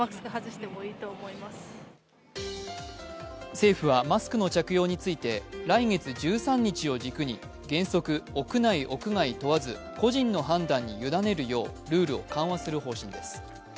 政府はマスクの着用について来月１３日を軸に原則、屋内・屋外問わず個人の判断に委ねるようルールを緩和する方針です。